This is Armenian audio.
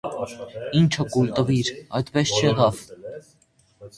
- Ինը կուլ տվիր, այդ չեղավ: